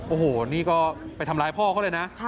โอ้โหนี่ก็ไปทำร้ายพ่อเขาเลยนะ